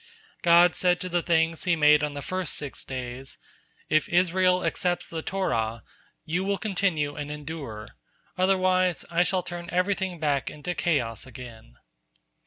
God said to the things He made on the first six days: "If Israel accepts the Torah, you will continue and endure; otherwise, I shall turn everything back into chaos again."